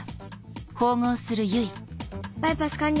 バイパス完了。